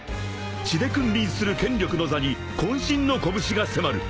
［血で君臨する権力の座に渾身の拳が迫る］